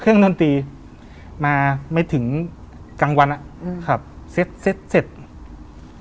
เครื่องดนตรีมาไม่ถึงกลางวันอ่ะอืมครับเสร็จเสร็จเสร็จ